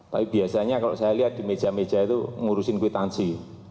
tapi biasanya kalau saya lihat di meja meja itu ngurusin kwitansi